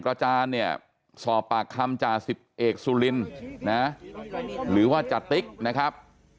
อาจารย์เนี่ยสอบปากคำจ่าสิบเอกสุลินนะหรือว่าจติ๊กนะครับ